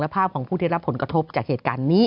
ภาพของผู้ที่รับผลกระทบจากเหตุการณ์นี้